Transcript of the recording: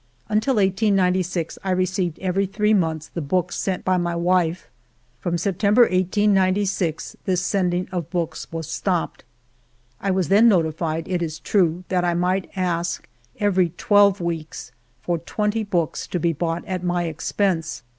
Until 1896 I received every three months the books sent by my wife. From September, 1896, this sending of books was stopped. I was then notified, it is true, that I might ask every twelve weeks for twenty books, to be bought at my expense.